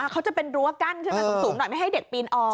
เขาจะเป็นรั้วกั้นขึ้นมาสูงหน่อยไม่ให้เด็กปีนออก